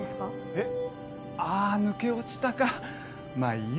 えっ？ああ抜け落ちたかまあいいよ